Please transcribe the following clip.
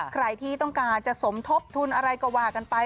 ใครที่ต้องการจะสมทบทุนอะไรก็ว่ากันไป